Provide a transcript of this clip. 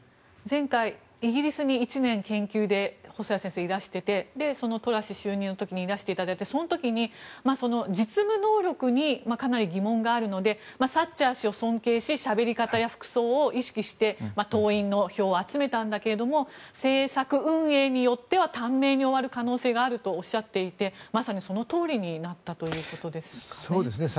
前回、イギリスに１年研究で細谷先生いらっしゃっていてトラス氏就任の時にいらっしゃっていただいてその時に、実務能力にかなり疑問があるのでサッチャー氏を尊敬ししゃべり方、服装を意識して党員の票を集めたんだけど政策運営によっては短命に終わる可能性があるとおっしゃっていてまさにそのとおりになったということですかね。